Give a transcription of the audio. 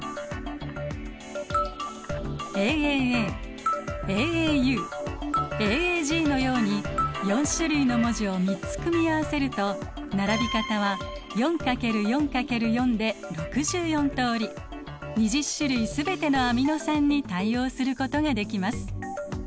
ＡＡＡＡＡＵＡＡＧのように４種類の文字を３つ組み合わせると並び方は２０種類全てのアミノ酸に対応することができます。